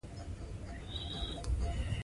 خدايږو لالیه بې ننګۍ ته دي ساتينه